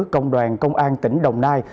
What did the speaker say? công đoàn công an tỉnh đồng nai